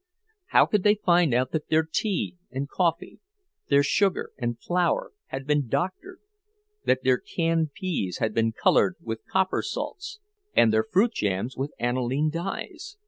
How could they find out that their tea and coffee, their sugar and flour, had been doctored; that their canned peas had been colored with copper salts, and their fruit jams with aniline dyes?